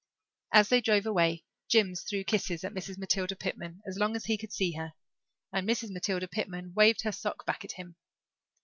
As they drove away Jims threw kisses at Mrs. Matilda Pitman as long as he could see her, and Mrs. Matilda Pitman waved her sock back at him.